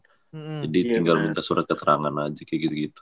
tinggal minta surat keterangan aja kayak gitu gitu